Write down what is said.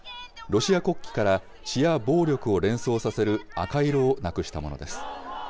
ロシア国旗から、血や暴力を連想させる赤色をなくしたものです。